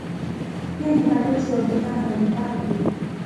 Pia ni balozi wa bidhaa mbalimbali.